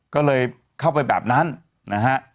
ก็เลยเข้าไปแบบนั้นนะฮะ